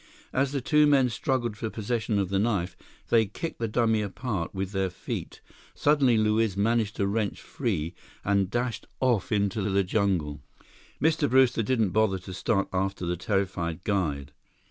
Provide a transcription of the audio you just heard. As the two men struggled for possession of the knife, they kicked the dummy apart with their feet. Suddenly Luiz managed to wrench free and dashed off into the jungle. Mr. Brewster didn't bother to start after the terrified guide.